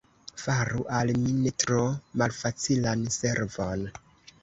Faru al mi ne tro malfacilan servon!